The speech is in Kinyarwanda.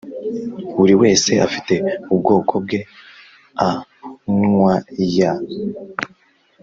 Buri wese afite ubwoko bwe anyway